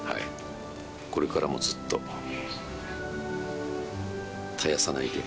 これからもずっと、絶やさないで。